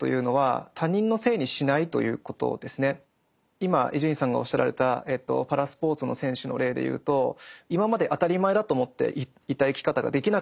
ここで言う今伊集院さんがおっしゃられたパラスポーツの選手の例でいうと今まで当たり前だと思っていた生き方ができなくなってしまった。